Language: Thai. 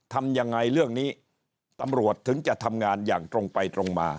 ทำยังไงเรื่องนี้ตำรวจถึงจะทำงานอย่างตรงไปตรงมา